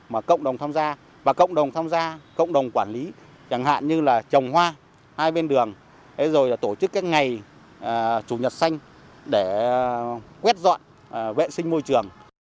mà cộng đồng tham gia và cộng đồng tham gia cộng đồng quản lý chẳng hạn như là trồng hoa hai bên đường rồi là tổ chức các ngày chủ nhật xanh để quét dọn vệ sinh môi trường